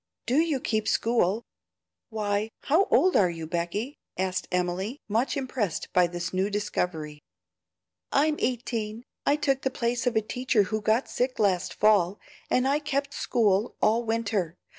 "Do you keep school? Why, how old are you, Becky?" asked Emily, much impressed by this new discovery. "I'm eighteen. I took the place of a teacher who got sick last fall, and I kept school all winter.